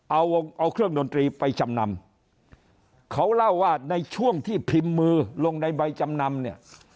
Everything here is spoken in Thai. เอาเอาเครื่องดนตรีไปจำนำเขาเล่าว่าในช่วงที่พิมพ์มือลงในใบจำนำเนี่ย